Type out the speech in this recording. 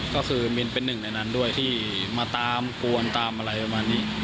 ก็คือมินเป็นหนึ่งในนั้นด้วยที่มาตามกวนตามอะไรประมาณนี้